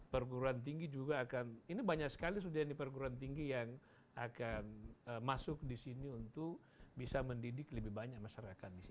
perguruan tinggi juga akan ini banyak sekali sudah di perguruan tinggi yang akan masuk di sini untuk bisa mendidik lebih banyak masyarakat di sini